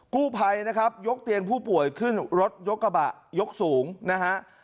กู้ภัยนะครับยกเตียงผู้ป่วยขึ้นรถยกกระบะยกสูงนะฮะ